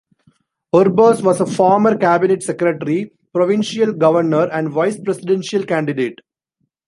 Orbos was a former cabinet secretary, provincial governor, and vice presidential candidate.